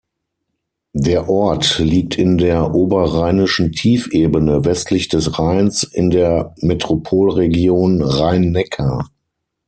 Der Ort liegt in der Oberrheinischen Tiefebene westlich des Rheins in der Metropolregion Rhein-Neckar.